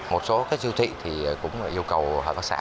một số cái siêu thị thì cũng là yêu cầu hợp tác xã